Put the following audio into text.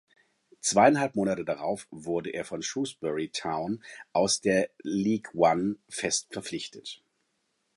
Zweieinhalb Monate darauf wurde er von Shrewsbury Town aus der League One fest verpflichtet.